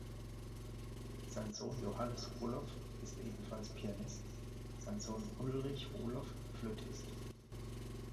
Sein Sohn Johannes Roloff ist ebenfalls Pianist, sein Sohn Ulrich Roloff Flötist.